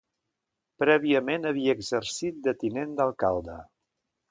Prèviament havia exercit de tinent d'alcalde.